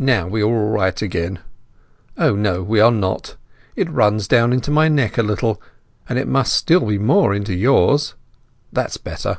"Now we are all right again. Ah—no we are not! It runs down into my neck a little, and it must still more into yours. That's better.